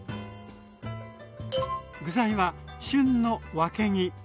具材は旬のわけぎ。